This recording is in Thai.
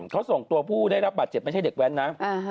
เขาส่งตัวผู้ได้รับบาดเจ็บไม่ใช่เด็กแว้นนะ